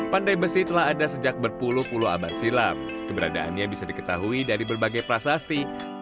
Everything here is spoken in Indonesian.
pandai besi telah ada sejak berpuluh puluh abad silam keberadaannya bisa diketahui dari berbagai prasasti